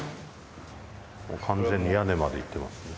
完全に、屋根までいってますね。